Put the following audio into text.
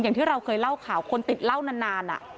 อย่างที่เราเคยเล่าข่าวคนติดเหล้านาน